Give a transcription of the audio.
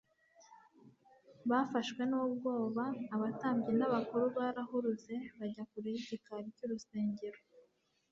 Bafashwe n'ubwoba, abatambyi n'abakuru barahuruze bajya kure y'igikari cy'urusengero;